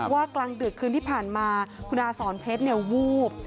ว่ากลางดึกคืนที่ผ่านมาคุณอาศรเพชรเนี่ยวูบ